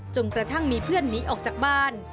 กระทั่งมีเพื่อนหนีออกจากบ้าน